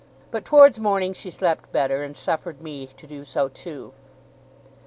But towards morning she slept better, and suffered me to do so too.